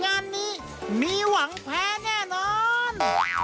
งานนี้มีหวังแพ้แน่นอน